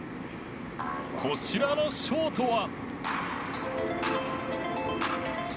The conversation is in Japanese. こちらのショートは。